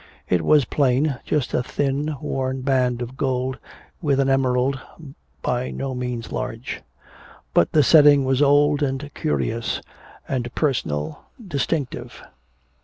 It was plain, just a thin worn band of gold with an emerald by no means large; but the setting was old and curious, and personal, distinctive.